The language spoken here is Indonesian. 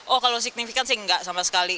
oh kalau signifikan sih enggak sama sekali